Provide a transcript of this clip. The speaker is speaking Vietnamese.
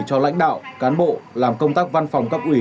cho lãnh đạo cán bộ làm công tác văn phòng cấp ủy